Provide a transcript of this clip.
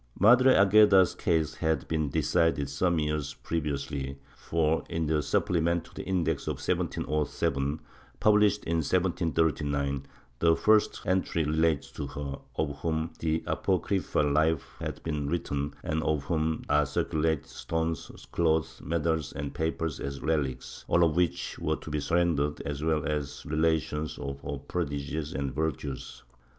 ^ Madre Agueda's case had been decided some years pre viously for, in the Supplement to the Index of 1707, published in 1739, the first entry relates to her, "of whom the apocryphal life has been written, and of whom are circulated stones, cloths, medals and papers as relics," all of which were to be surrendered as well as relations of her prodigies and virtues.